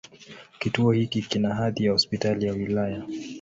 Kituo hiki kina hadhi ya Hospitali ya wilaya.